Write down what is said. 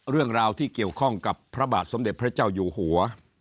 เรื่องราวที่เกี่ยวข้องกับพระบาทสมเด็จพระเจ้าอยู่หัว